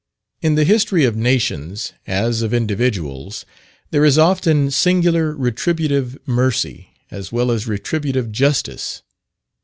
In the history of nations, as of individuals, there is often singular retributive mercy as well as retributive justice.